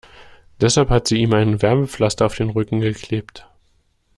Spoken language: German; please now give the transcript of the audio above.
Deshalb hat sie ihm ein Wärmepflaster auf den Rücken geklebt.